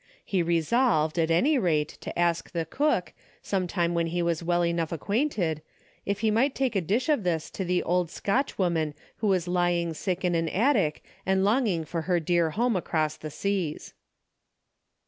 He re solved, at any rate, to ask the cook, sometime DAILY EATEA^ 169 when he Avas well enough acquainted, if he might take a dish of this to the old Scotch woman who was lying sick in an attic and longing for her dear home across the seas.